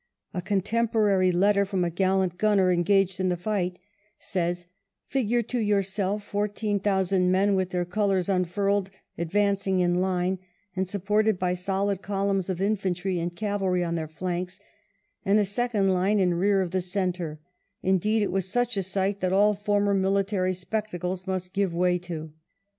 A contemporary letter from a gallant gunner engaged in the fight says: "Figure to yourself fourteen thousand men with their colours unfurled advancing in line, £uid supported by solid columns of infantry and cavalry on their flanks, and a second line in rear of the centre; indeed, it was such a sight that all former military spectacles must give way to."